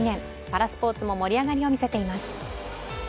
パラスポーツも盛り上がりを見せています。